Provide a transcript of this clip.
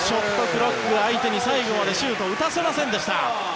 クロック相手に最後までシュートを打たせませんでした。